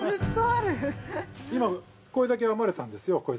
◆今これだけ編まれたんですよ。